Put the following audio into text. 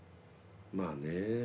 まあね。